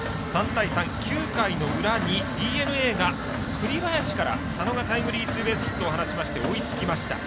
３対３、９回の裏にＤｅＮＡが栗林から佐野がタイムリーツーベースヒット放ちまして追いつきました。